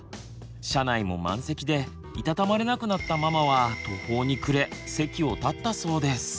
車内も満席でいたたまれなくなったママは途方に暮れ席を立ったそうです。